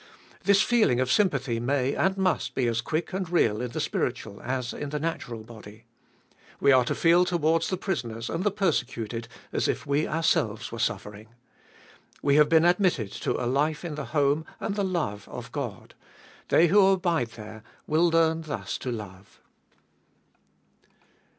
This feeling of sympathy may and must be as quick and real in the spiritual as in the natural body. We are to feel towards the prisoners and the persecuted as if we ourselves were suffering. We have been admitted to a life in the home and the love of God ; they who abide there will learn thus to love.